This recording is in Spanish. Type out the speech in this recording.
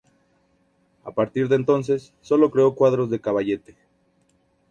A partir de entonces, sólo creó cuadros de caballete.